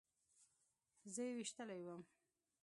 زه يې ويشتلى وم.